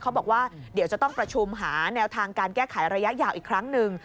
เขาบอกว่าเดี๋ยวจะต้องประชุมหาแนวทางการแก้ไขระยะยาวอีกครั้งหนึ่ง